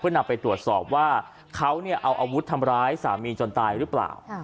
นำไปตรวจสอบว่าเขาเอาอาวุธทำร้ายสามีจนตายหรือเปล่า